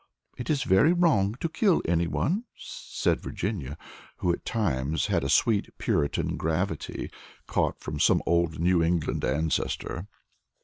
"It is very wrong to kill anyone," said Virginia, who at times had a sweet puritan gravity, caught from some old New England ancestor.